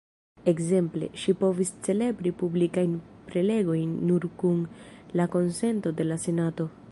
Ekzemple, ŝi povis celebri publikajn prelegojn nur kun la konsento de la Senato.